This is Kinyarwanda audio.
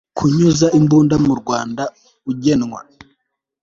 kunyuza imbunda mu rwanda ugenwa